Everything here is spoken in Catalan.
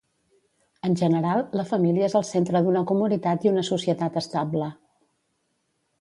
En general, la família és el centre d'una comunitat i una societat estable.